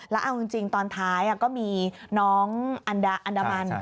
แล้วเอาจริงตอนท้ายก็มีน้องอันดามัน